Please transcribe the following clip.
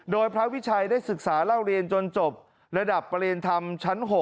โดยพระวิชัยได้ศึกษาเล่าเรียนจนจบระดับประเรียนธรรมชั้น๖